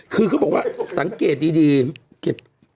คือเขาบอกว่าสังเกตดีเก็บ